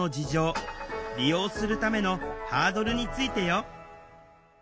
利用するためのハードルについてよ